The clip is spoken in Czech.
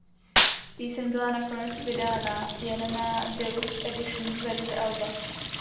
Píseň byla nakonec vydána jen na Deluxe Edition verzi alba.